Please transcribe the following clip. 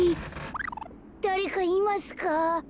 だれかいますか？